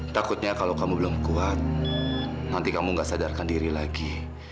takutnya kalau kamu belum kuat nanti kamu gak sadarkan diri lagi